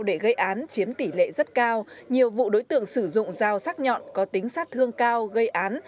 để gây án chiếm tỷ lệ rất cao nhiều vụ đối tượng sử dụng dao sắc nhọn có tính sát thương cao gây án